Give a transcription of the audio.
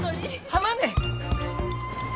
浜ね？